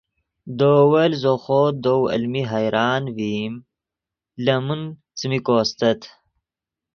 دے اول زو خوو دؤ المی حیران ڤئیم لے من څیمی کو استت